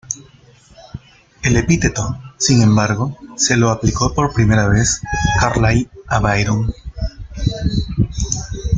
El epíteto, sin embargo, se lo aplicó por primera vez Carlyle a Byron.